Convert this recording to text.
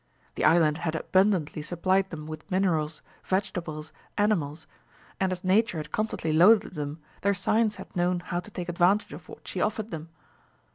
The island had abundantly supplied them with minerals, vegetables, animals, and as Nature had constantly loaded them, their science had known how to take advantage of what she offered them.